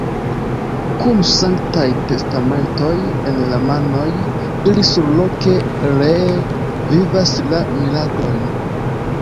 Kun sanktaj testamentoj en la manoj, ili surloke ree vivas la miraklojn.